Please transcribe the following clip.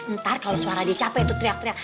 ntar kalau suara dia capek itu teriak teriak